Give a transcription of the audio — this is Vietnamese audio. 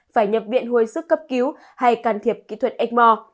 phải nhập viện hồi sức cấp cứu hay can thiệp kỹ thuật ếchmore